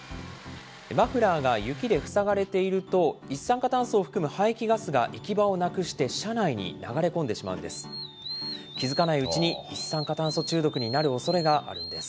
マフラーが雪で塞がれていると、一酸化炭素を含む排気ガスが行き場をなくして、車内に流れ込んでしまうんです。